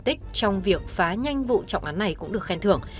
tích trong việc phá nhanh vụ trọng án này cũng được khen thưởng